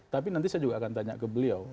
tapi nanti saya juga akan tanya ke beliau